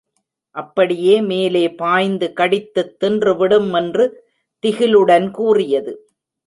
அப்படியே மேலே பாய்ந்து கடித்துத் தின்றுவிடும் என்று திகிலுடன் கூறியது.